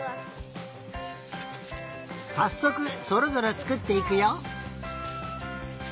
さっそくそれぞれつくっていくよ。